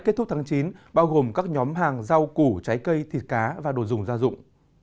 kết thúc tháng chín bao gồm các nhóm hàng rau củ trái cây thịt cá và đồ dùng gia dụng